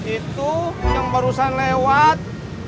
itu yang barusan lewat